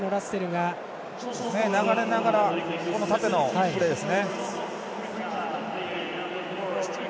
流れながら縦のプレーです。